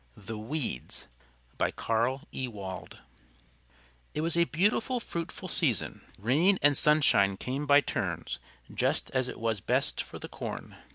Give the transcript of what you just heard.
THE WEEDS By Carl Ewald It was a beautiful, fruitful season. Rain and sunshine came by turns just as it was best for the corn.